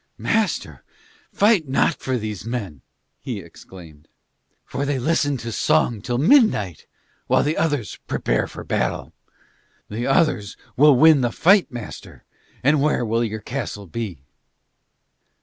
"Master, fight not for these men," he exclaimed, "for they listen to song till midnight while the others prepare for battle. The others will win the fight, master, and where will your castle be?"